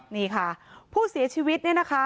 นี่ค่ะผู้เสียชีวิตเนี่ยนะคะ